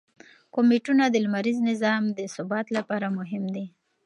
کومیټونه د لمریز نظام د ثبات لپاره مهم دي.